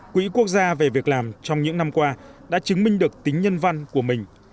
quỹ quốc gia về việc làm trong những năm qua đã chứng minh được tính nhân văn của mình